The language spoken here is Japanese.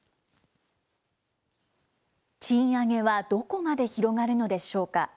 賃上げはどこまで広がるのでしょうか。